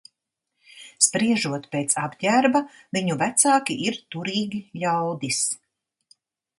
Spriežot pēc apģērba, viņu vecāki ir turīgi ļaudis.